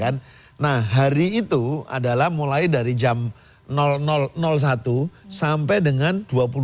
nah hari itu adalah mulai dari jam satu sampai dengan dua puluh tiga lima puluh sembilan